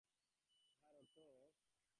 ইহার অর্থ প্রধান পুরোহিত, পোপ এখন এই নামে অভিহিত।